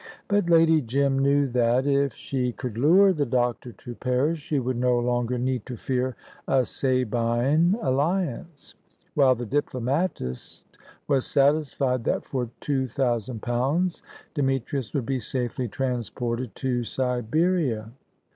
But Lady Jim knew that, if she could lure the doctor to Paris, she would not longer need to fear a Sabine alliance; while the diplomatist was satisfied that, for two thousand pounds, Demetrius would be safely transported to Siberia.